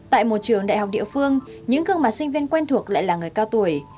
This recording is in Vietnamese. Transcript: tại một trường đại học địa phương những gương mặt sinh viên quen thuộc lại là người cao tuổi